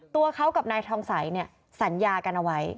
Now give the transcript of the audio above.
ตัวเขากับนายทองสัยสัญญากันเอาไว้